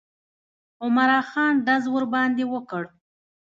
عمرا خان ډز ورباندې وکړ.